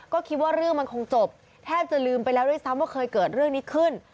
ก็คิดว่าเรื่องมันคงจบแทบจะลืมไปแล้วด้วยซ้ำว่าเคยเกิดเรื่องนี้ขึ้น